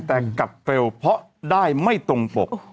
แต่กลับเร็วเพราะได้ไม่ตรงปก